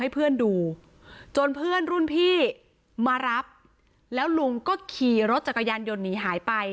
เพื่อนดูจนเพื่อนรุ่นพี่มารับแล้วลุงก็ขี่รถจักรยานยนต์หนีหายไป